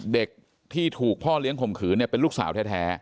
เด็กที่ถูกพ่อเลี้ยงข่มขืนเป็นลูกสาวแท้